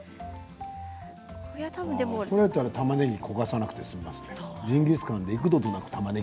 これだったら、たまねぎ焦がさないで済みますよね。